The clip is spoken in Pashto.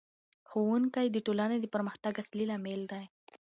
ښوونکی د ټولنې د پرمختګ اصلي لامل دی.